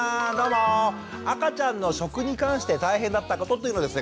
赤ちゃんの食に関して大変だったことというのをですね